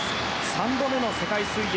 ３度目の世界水泳。